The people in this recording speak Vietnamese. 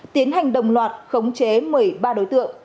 tiến hành đồng loạt khống chế một mươi ba đối tượng